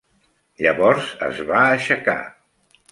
Llavors es va aixecar.